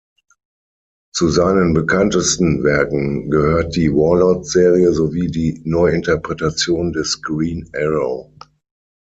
Zu seinen bekanntesten Werken gehört die "Warlord"-Serie sowie die Neuinterpretation des "Green Arrow".